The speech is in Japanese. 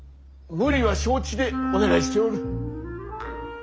無理は承知でお願いしておる。